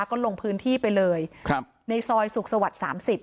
ก็ลงพื้นที่ไปเลยในซอยสุขสวรรค์๓๐